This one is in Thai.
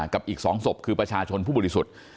กับอีก๒ศพคือประชาชนผู้บริสุทธิ์